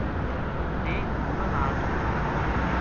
میں کھجوراں نال